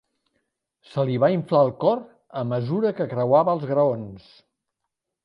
Se li va inflar el cor a mesura que creuava els graons.